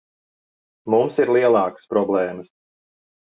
Mums ir lielākas problēmas.